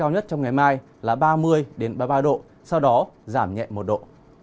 ngày mai là ba mươi ba mươi ba độ sau đó giảm nhẹ một độ